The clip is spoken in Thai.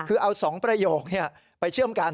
คือเอา๒ประโยคไปเชื่อมกัน